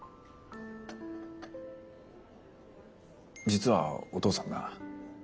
実はお父さんな。